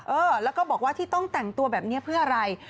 เออแล้วก็บอกว่าที่ต้องแต่งตัวแบบนี้เพื่ออะไร